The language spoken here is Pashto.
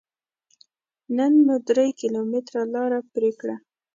نن مو درې کيلوميټره لاره پرې کړه.